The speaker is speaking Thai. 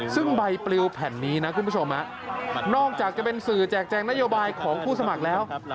ซึ่งใบปลิวแผ่นนี้นะคุณผู้ชมนอกจากจะเป็นสื่อแจกแจงนโยบายของผู้สมัครแล้ว